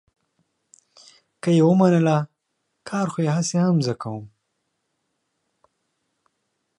که یې ومنله، کار خو یې هسې هم زه کوم.